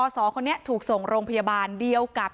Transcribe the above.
สอคนนี้ถูกส่งโรงพยาบาลเดียวกับ